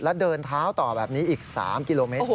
แล้วเดินเท้าต่อแบบนี้อีก๓กิโลเมตร